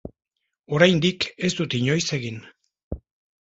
Oraindik ez dut inoiz egin.